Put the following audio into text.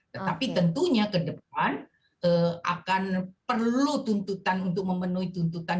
tetapi tentunya ke depan akan perlu tuntutan untuk memenuhi tuntutan